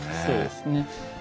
そうですね。